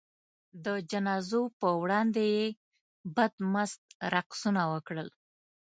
د جنازو په وړاندې یې بدمست رقصونه وکړل.